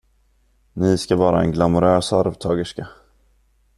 Ni ska vara en glamourös arvtagerska.